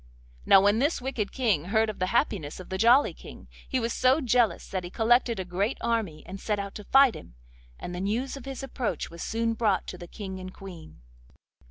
Now when this wicked King heard of the happiness of the Jolly King, he was so jealous that he collected a great army and set out to fight him, and the news of his approach was soon brought to the King and Queen.